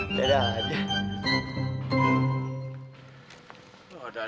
nggak apa deh